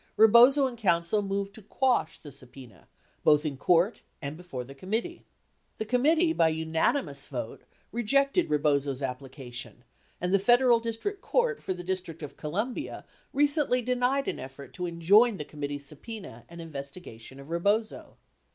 Rebozo and counsel moved to quash the sub pena both in court and before the committee. The committee, bv unan imous vote, reiected Rebozo's application and the Federal District Court for the District of Columbia recently denied an effort to enjoin the committee's subpena and investigation of Rebozo.